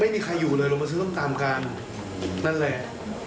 ไม่มีใครอยู่เลยเรามาซื้อซ่อมตามการนั่นแหละ